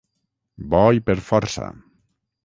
Bo i per força.